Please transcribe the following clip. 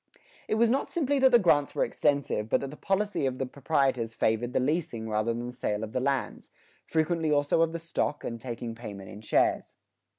[81:2] It was not simply that the grants were extensive, but that the policy of the proprietors favored the leasing rather than the sale of the lands frequently also of the stock, and taking payment in shares.